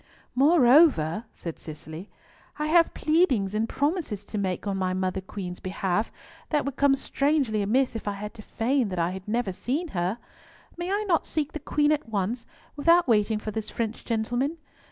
"Moreover," said Cicely, "I have pleadings and promises to make on my mother queen's behalf that would come strangely amiss if I had to feign that I had never seen her! May I not seek the Queen at once, without waiting for this French gentleman?